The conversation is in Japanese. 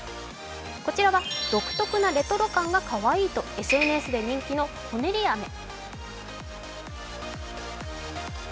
こちらは独特なレトロ感がかわいいとＳＮＳで人気のこねりあめ。